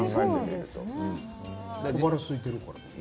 小腹がすいてるから。